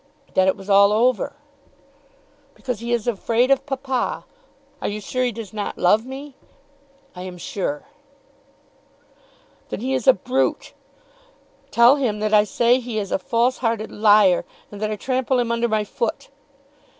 "That it was all over." "Because he is afraid of papa. Are you sure he does not love me?" "I am sure." "Then he is a brute. Tell him that I say that he is a false hearted liar, and that I trample him under my foot."